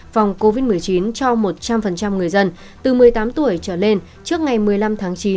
phòng covid một mươi chín cho một trăm linh người dân từ một mươi tám tuổi trở lên trước ngày một mươi năm tháng chín